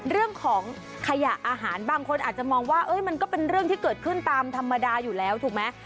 เรื่องของขยะอาหารบางคนอาจจะมองว่ามันก็เป็นเรื่องที่เกิดขึ้นตามธรรมดาอยู่แล้วถูกไหม